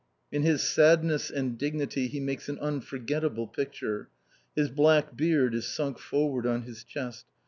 In his sadness and dignity he makes an unforgettable picture. His black beard is sunk forward on his chest.